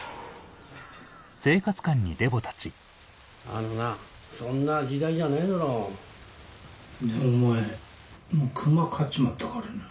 ・あのなそんな時代じゃねえだろう・でもお前もう熊飼っちまったからな。